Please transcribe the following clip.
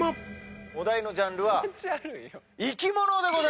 お題のジャンルは生き物でございます。